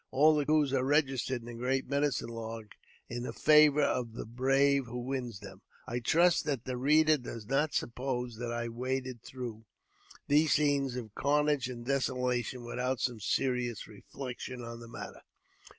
All the coos are registered in the great medicine lodge in favour of the bravi who wins them. I trust that the reader does not suppose that I waded through.: these scenes of carnage and desolation without some serious* reflections on the matter.